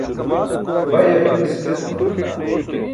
bay yakal miskil etuman